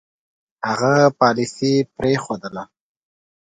هغه پالیسي پرېښودله.